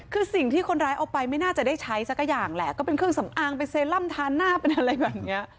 คือสิ่งที่คนร้ายเอาไปไม่น่าจะได้ใช้สักอย่างแหละก็เป็นเครื่องสำอางเป็นเซรั่มทานหน้าเป็นอะไรแบบนี้